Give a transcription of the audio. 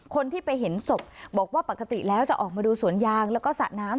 คนที่ไปเห็นศพบอกว่าปกติแล้วจะออกมาดูสวนยางแล้วก็สระน้ำ